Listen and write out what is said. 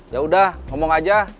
yaudah ngomong aja